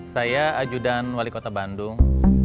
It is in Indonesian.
saya ajudan wali kota bandung